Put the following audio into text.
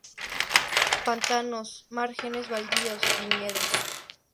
Pantanos, márgenes, baldíos, viñedos.